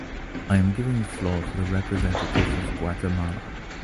I am giving floor to the representative of Guatemala.